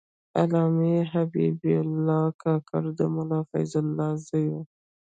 علامه حبیب الله کاکړ د ملا فیض الله زوی و.